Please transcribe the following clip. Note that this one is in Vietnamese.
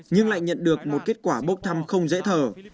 nhưng lại nhận được một kết quả bốc thăm không dễ thở